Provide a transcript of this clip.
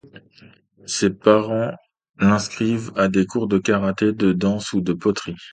Ses parents l'inscrivent à des cours de karaté, de danse ou de poterie.